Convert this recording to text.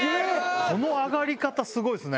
この上がり方すごいっすね。